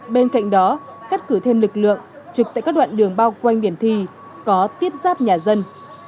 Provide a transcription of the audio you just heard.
bên cạnh đó cắt cử thêm lực lượng trực tại các đoạn đường bao quanh điểm thi có tiếp giáp nhà dân